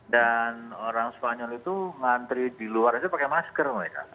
dan orang spanyol itu ngantri di luar itu pakai masker mereka